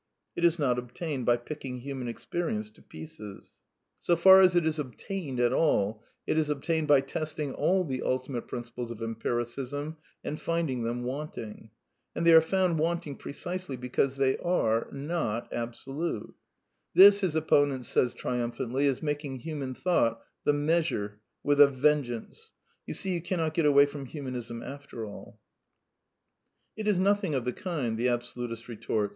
It is not obtained by picking human experience to pieces. So 136 A DEFENCE OF IDEALISM far as it is " obtained " at all, it is obtained by testing all the '^ ultimate " principles of empiricism and finding them wanting. And they are found wanting precisely because they are — not absolute. This, his opponent says triumphantly, is making human thought the measure with a vengeance. You see, you can not get away from Humanism after all. It is nothing of the kind, the absolutist retorts.